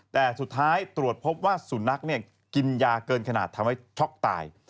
แต่สุดท้ายตรวจพบว่าสุนัขกินยาเกินขนาดทำให้ช็อกตาย